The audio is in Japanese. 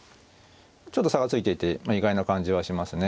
ちょっと差がついていて意外な感じはしますね。